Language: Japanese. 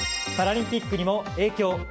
パラリンピックにも影響